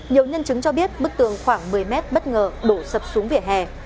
nhiều nhân chứng cho biết bức tường khoảng một mươi mét bất ngờ đổ sập xuống vỉa hè